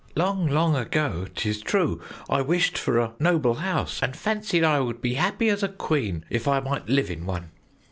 "Long, long ago, 'tis true, I wished for a noble house and fancied I would be happy as a queen if I might live in one.